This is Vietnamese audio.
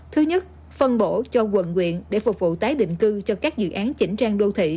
thứ nhất phân bổ cho quận quyện để phục vụ tái định cư cho các dự án chỉnh trang đô thị